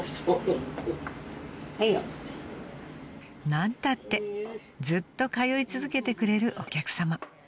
［なんたってずっと通い続けてくれるお客さま］